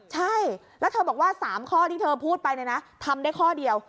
ใช่แล้วเธอบอกว่า๓ข้อที่เธอพูดไปเนี่ยนะทำได้ข้อเดียว